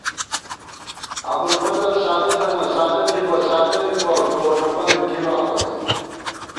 ابُوالفضل سادہ تھنہ، سادہ تھِبہ، سادہ مِبہ گور کھپن بی تھِبا خو نئ